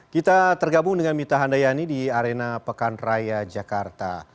kita tergabung dengan mita handayani di arena pekan raya jakarta